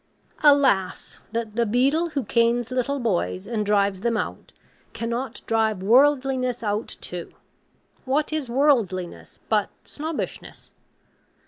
Alas! that the beadle who canes little boys and drives them out, cannot drive worldliness out too; what is worldliness but snobbishness?